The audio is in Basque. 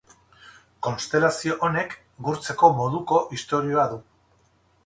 Konstelazio honek gurtzeko moduko istorioa du.